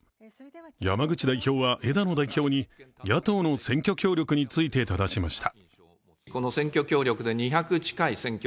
山口代表は枝野代表に野党の選挙協力についてただしました。